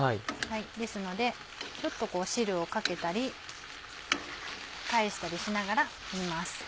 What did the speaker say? ですのでちょっと汁をかけたり返したりしながら煮ます。